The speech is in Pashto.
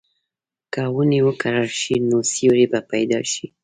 که ونې وکرل شي، نو سیوری به پیدا شي.